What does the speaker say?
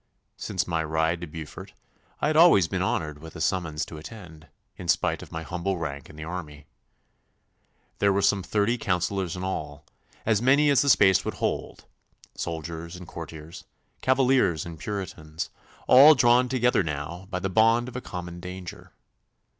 Since my ride to Beaufort I had always been honoured with a summons to attend, in spite of my humble rank in the army. There were some thirty councillors in all, as many as the space would hold, soldiers and courtiers, Cavaliers and Puritans, all drawn together now by the bond of a common danger.